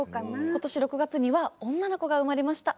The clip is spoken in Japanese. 今年６月には女の子が生まれました。